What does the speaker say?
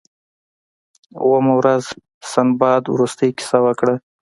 اوومه ورځ سنباد وروستۍ کیسه وکړه.